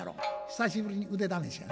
久しぶりに腕試しやな。